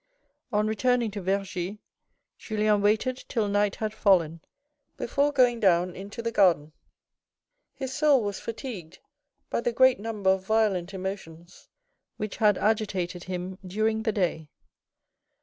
On returning to Vergy, Juiien waited till night had fallen before going down into the garden. His soul was fatigued by the great number of violent emotions which had agitated him during the day.